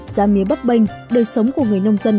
gia mía bấp bênh đời sống của người nông dân